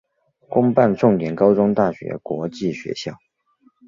公办重点高中大学国际学校